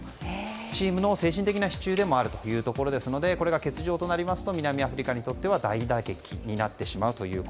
チームの精神的な支柱でもあるというところですのでこれが欠場となりますと南アフリカにとっては大打撃になってしまい